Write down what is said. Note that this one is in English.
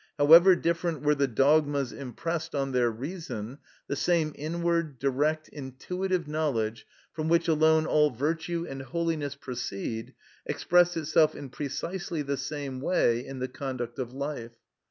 However different were the dogmas impressed on their reason, the same inward, direct, intuitive knowledge, from which alone all virtue and holiness proceed, expressed itself in precisely the same way in the conduct of life.